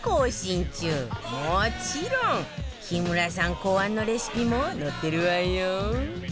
もちろん木村さん考案のレシピも載ってるわよ